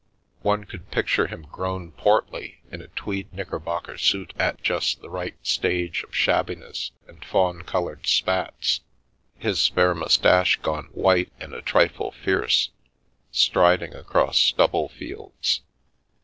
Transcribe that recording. One could picture him grown portly, in a tweed knickerbocker suit at just the right stage of What I Told the Acanthus Leaf shabbiness and fawn coloured spats, his fair moustache gone white and a trifle fierce, striding across stubble fields.